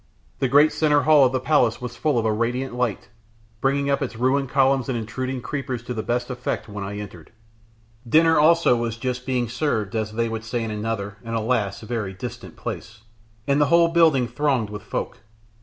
The great centre hall of the palace was full of a radiant light bringing up its ruined columns and intruding creepers to the best effect when I entered. Dinner also was just being served, as they would say in another, and alas! very distant place, and the whole building thronged with folk.